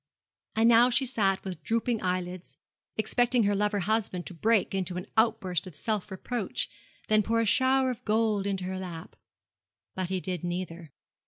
And now she sat with drooping eyelids, expecting her lover husband to break into an outburst of self reproach, then pour a shower of gold into her lap. But he did neither.